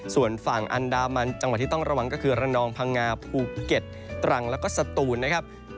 ส่วนฝั่งอันดามันจังหวัดที่ต้องระวังก็คือระนองพังงาภูเก็ตตรังแล้วก็สตูนนะครับ